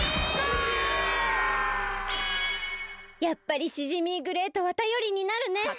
やっぱりシジミーグレイトはたよりになるね！